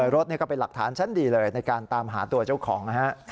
รถนี่ก็เป็นหลักฐานชั้นดีเลยในการตามหาตัวเจ้าของนะฮะ